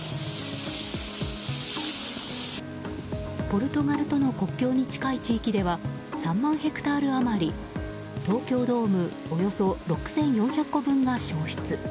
ポルトガルとの国境に近い地域では３万ヘクタール余り東京ドームおよそ６４００個分が焼失。